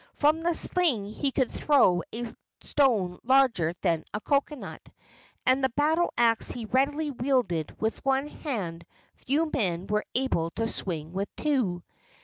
From the sling he could throw a stone larger than a cocoanut, and the battle axe he readily wielded with one hand few men were able to swing with two.